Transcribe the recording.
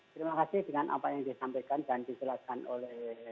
terima kasih dengan apa yang disampaikan dan dijelaskan oleh